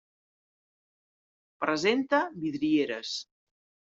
Presenta vidrieres.